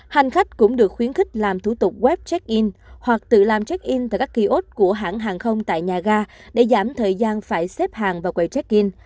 hành khách cũng được khuyến khích làm thủ tục web check in hoặc tự làm check in tại các kiosk của hãng hàng không tại nhà ga để giảm thời gian phải xếp hàng vào quầy check in